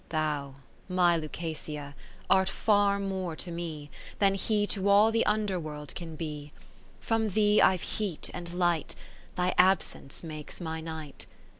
II Thou, my Lucasia, art far more to me, Than he to all the under world can be ; From thee I've heat and light. Thy absence makes my night.